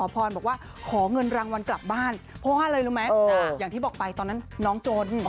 เพราะว่าเลยรู้มั้ยอย่างที่บอกไปตอนนั้นน้องจน